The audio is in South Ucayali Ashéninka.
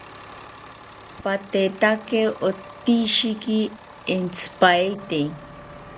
Patetaki otishiki entzipaete